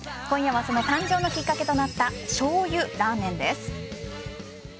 今夜はその誕生のきっかけとなったしょうゆラーメンです。